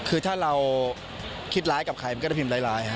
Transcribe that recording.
คือถ้าเราคิดร้ายกับใครมันก็จะพิมพ์ร้าย